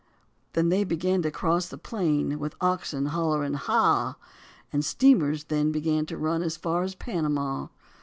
They then began to cross the plain with oxen, hollowing "haw." And steamers then began to run as far as Panama.